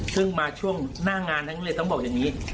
ซึ่งมาช่วงหน้างานทั้งเรือต้องบอกอย่างนี้